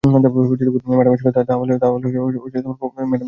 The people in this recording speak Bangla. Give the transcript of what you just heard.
ম্যাডামের সঙ্গে তাহলে কখন দেখা করাচ্ছিস?